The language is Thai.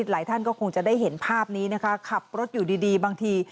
หลายท่านก็คงจะได้เห็นภาพนี้นะคะขับรถอยู่ดีบางที